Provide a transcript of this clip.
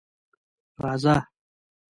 _راځه.